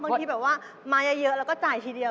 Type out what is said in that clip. บางทีแบบว่ามาเยอะแล้วก็จ่ายทีเดียว